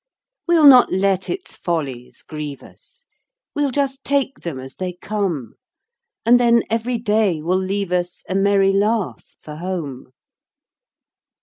We'll not let its follies grieve us, We'll just take them as they come; And then every day will leave us A merry laugh for home.